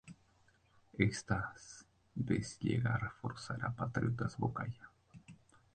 Estas vez llega a reforzar a Patriotas Boyacá.